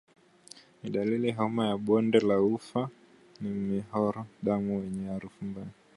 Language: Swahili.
Dalili ya homa ya bonde la ufa ni mharo wa damu wenye harufu mbaya